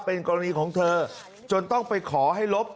เป็นกรณีของเธอจนต้องไปขอให้ลบ